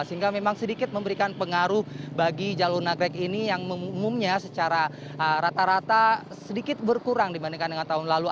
sehingga memang sedikit memberikan pengaruh bagi jalur nagrek ini yang umumnya secara rata rata sedikit berkurang dibandingkan dengan tahun lalu